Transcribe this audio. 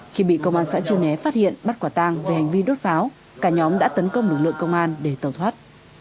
khi bị công an xã chư né phát hiện bắt quả tang về hành vi đốt pháo cả nhóm đã tấn công lực lượng công an để tàu thoát